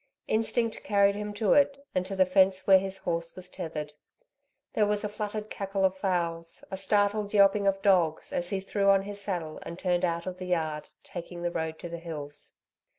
Instinct carried him to it, and to the fence where his horse was tethered. There was a fluttered cackle of fowls, a startled yelping of dogs, as he threw on his saddle and turned out of the yard, taking the road to the hills.